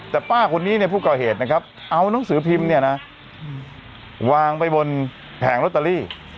แต่ป้าคนนี้เนี่ยผู้ก่อเหตุนะครับเอานังสือพิมพ์เนี่ยนะวางไปบนแผงลอตเตอรี่